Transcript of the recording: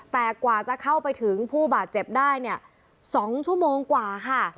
แต่กว่าจะเข้าไปถึงผู้บาดเจ็บได้เนี่ย๒ชั่วโมงกว่าค่ะ